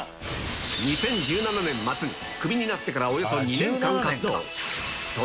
２０１７年末にクビになってからおよそ２年間活動。